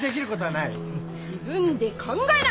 自分で考えな！